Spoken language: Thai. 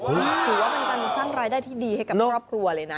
ถือว่าเป็นการสร้างรายได้ที่ดีให้กับครอบครัวเลยนะ